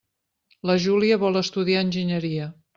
La Júlia vol estudiar enginyeria.